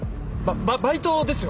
ババイトですよ